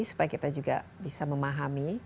supaya kita juga bisa memahami